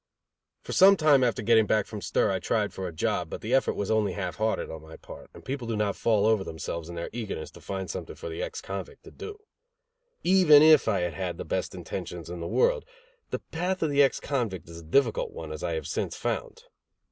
For some time after getting back from stir I tried for a job, but the effort was only half hearted on my part, and people did not fall over themselves in their eagerness to find something for the ex convict to do. Even if I had had the best intentions in the world, the path of the ex convict is a difficult one, as I have since found.